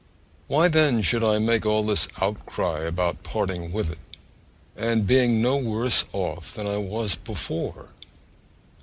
Why, then, should I make all this outcry about parting with it, and being no worse off than I was before?